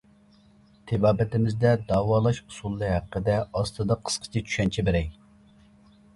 تېبابىتىمىزدە داۋالاش ئۇسۇلى ھەققىدە ئاستىدا قىسقىچە چۈشەنچە بېرەي.